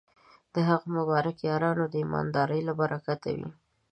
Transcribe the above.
د هغه مبارک یارانو د ایماندارۍ له برکته وې.